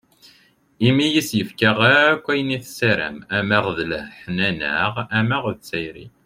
Imi i s-yefka akk ayen i tessaram ama d leḥnana, ama d tayri.